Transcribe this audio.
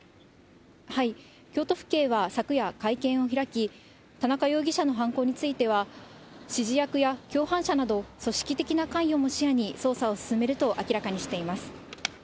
京都府警は昨夜、会見を開き、田中容疑者の犯行については、指示役や共犯者など、組織的な関与も視野に捜査を進めると明らかにしています。